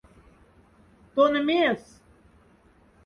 Тон мес?